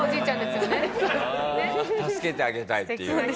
助けてあげたいっていう。